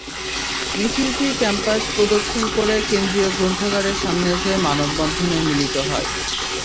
মিছিলটি ক্যাম্পাস প্রদক্ষিণ করে কেন্দ্রীয় গ্রন্থাগারের সামনে এসে মানববন্ধনে মিলিত হয়।